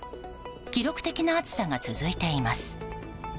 記録的な暑さが続いています。